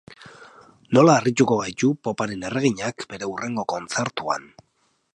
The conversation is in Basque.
Nola harrituko gaitu poparen erreginak bere hurrengo kontzertuan?